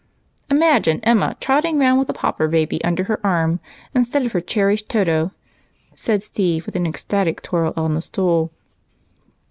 "Imagine Emma trotting round with a pauper baby under her arm instead of her cherished Toto," said Steve with an ecstatic twirl on the stool.